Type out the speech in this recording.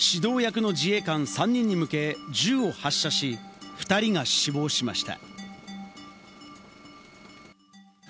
指導役の自衛官３人に向け、銃を発射し、２人が死亡しました。